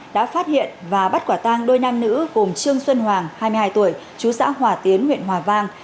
đã phát hiện và bắt quả tang đôi nam nữ gồm trương xuân hoàng hai mươi hai tuổi chú xã hòa tiến huyện hòa vang